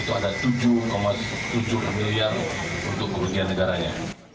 itu ada tujuh tujuh miliar untuk kerugian negaranya